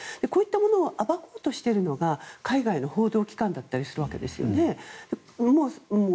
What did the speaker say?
こういったものを暴こうとしているのが海外の報道機関だったりするわけですよね。